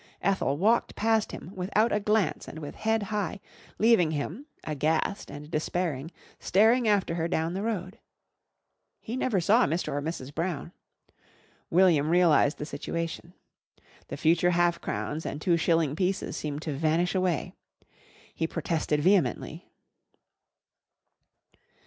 Ethel walked past him, without a glance and with head high, leaving him, aghast and despairing, staring after her down the road. He never saw Mr. and Mrs. Brown. William realised the situation. The future half crowns and two shilling pieces seemed to vanish away. He protested vehemently.